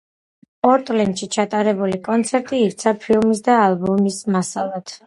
პორტლენდში ჩატარებული კონცერტი იქცა ფილმის და ალბომის მასალად.